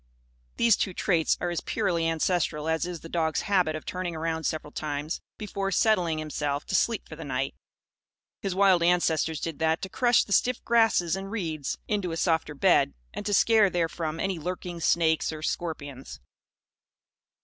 These two traits are as purely ancestral as is the dog's habit of turning around several times before settling himself to sleep for the night. His wild ancestors did that, to crush the stiff grasses and reeds into a softer bed and to scare therefrom any lurking snakes or scorpions.